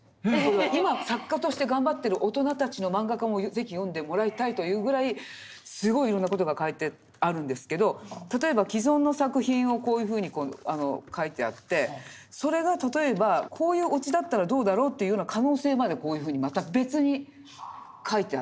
今作家として頑張ってる大人たちのマンガ家も是非読んでもらいたいというぐらいすごいいろんな事が描いてあるんですけど例えば既存の作品をこういうふうに描いてあってそれが例えばこういうオチだったらどうだろうというような可能性までこういうふうにまた別に描いてあって。